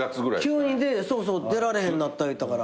急に出られへんなったいうたから。